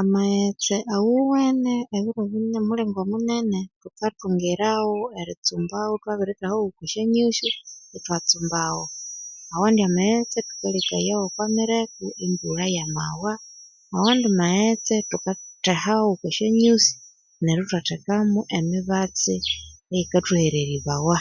Amaghetse awuwene ebiro ebinene omulingo omunene thukathungiragho eritsumbawo ithwabirithehagho okwa syonyusi ithwatsumbagho, nawandi amaghetse thukalekayawo okwa mireko embulha yamawa, nawandi maghetse thukathehagho okwa syo nyusi neryo thwathekamo emibatsi eyikathuhereribabawa.